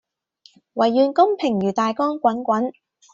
唯願公平如大江滾滾